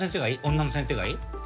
女の先生がいい？